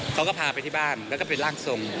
เขาก็พาไปที่บ้านแล้วก็เป็นร่างทรง